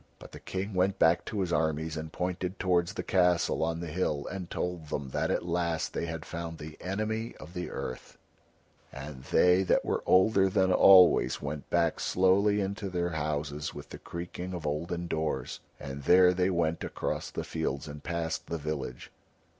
But the King went back to his armies, and pointed towards the castle on the hill and told them that at last they had found the Enemy of the Earth; and they that were older than always went back slowly into their houses with the creaking of olden doors. And there they went across the fields and passed the village.